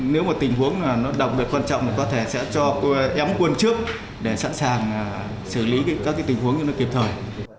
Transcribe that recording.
nếu một tình huống đọc được quan trọng có thể sẽ cho em quân trước để sẵn sàng xử lý các tình huống kịp thời